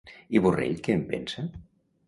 I Borrell què en pensa?